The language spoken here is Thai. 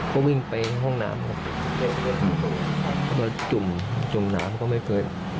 ก็วิ่งไปห้องน้ำจุ๋มจุ๋มน้ำก็ไม่เป็น